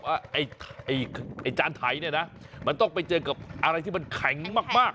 ไอ้จานไทยเนี่ยนะมันต้องไปเจอกับอะไรที่มันแข็งมาก